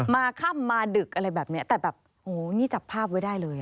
ค่ำมาดึกอะไรแบบนี้แต่แบบโอ้นี่จับภาพไว้ได้เลย